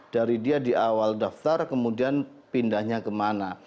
dari dia di awal daftar kemudian pindahnya kemana